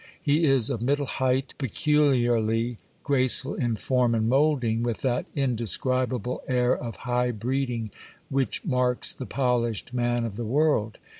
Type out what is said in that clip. He is of middle height, peculiarly graceful in form and moulding, with that indescribable air of high breeding which marks the polished man of the world.